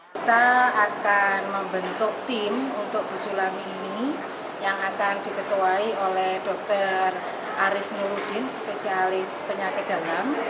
kita akan membentuk tim untuk busulami ini yang akan diketuai oleh dr arief nurudin spesialis penyakit dalam